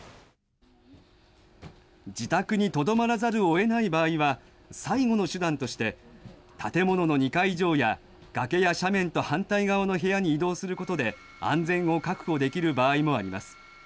自宅にとどまらざるをえない場合は、最後の手段として建物の２階以上や崖や斜面と反対側の部屋に移動することで安全を確保できる場合もあります。